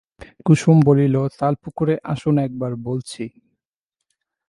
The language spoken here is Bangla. কুসুম বলিল, তালপুকুরে আসুন একবার, বলছি।